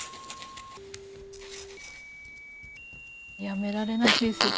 やめられないですよ